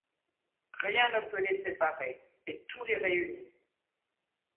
Rien ne peut les séparer et tout les réunit.